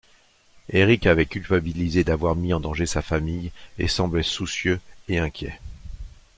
Éric avait culpabilisé d'avoir mis en danger sa famille et semblait soucieux et inquiet.